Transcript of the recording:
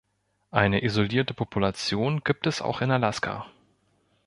Eine isolierte Population gibt es auch in Alaska.